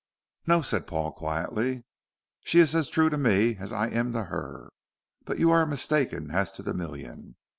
"No," said Paul quietly, "she is as true to me as I am to her. But you are mistaken as to the million.